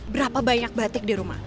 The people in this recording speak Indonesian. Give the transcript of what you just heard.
berapa banyak batik di rumah